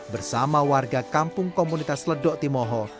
bersama warga kampung komunitas ledok timoho